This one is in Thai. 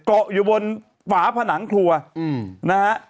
เกาะอยู่บนฝาผนังครัวนะฮะ